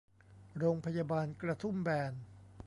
โรงพยาบาลกระทุ่มแบน